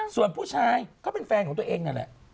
ส่วนผู้ชายก็เป็นแฟนของตัวเองนั่นแหละ